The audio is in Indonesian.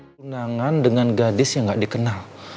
penanganan dengan gadis yang gak dikenal